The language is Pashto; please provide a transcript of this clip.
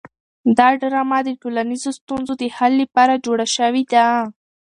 دا ډرامه د ټولنیزو ستونزو د حل لپاره جوړه شوې ده.